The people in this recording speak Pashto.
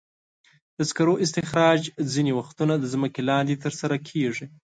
د سکرو استخراج ځینې وختونه د ځمکې لاندې ترسره کېږي.